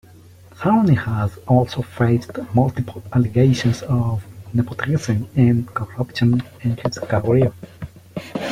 Sarney has also faced multiple allegations of nepotism and corruption in his career.